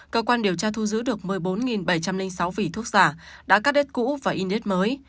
cơ quan điều tra thu giữ được một mươi bốn bảy trăm linh sáu vỉ thuốc giả đã cắt đết cũ và in đết mới